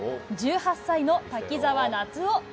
１８歳の滝澤夏央。